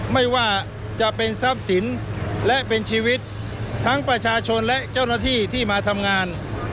ไม่ว่าจะเป็นทรัพย์สินและเป็นชีวิตทั้งประชาชนและเจ้าหน้าที่ที่มาทำงาน